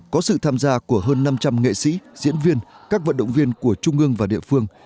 có sự tham gia của hơn năm trăm linh nghệ sĩ diễn viên các vận động viên của trung ương và địa phương